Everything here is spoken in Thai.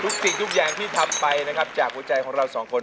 สิ่งทุกอย่างที่ทำไปนะครับจากหัวใจของเราสองคน